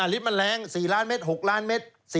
ลิตรมันแรง๔ล้านเมตร๖ล้านเมตร